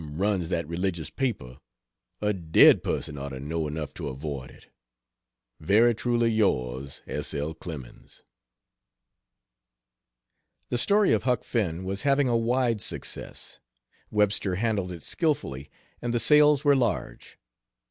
runs that religious paper, a dead person ought to know enough to avoid it. Very Truly Yours S. L. CLEMENS. The story of Huck Finn was having a wide success. Webster handled it skillfully, and the sales were large.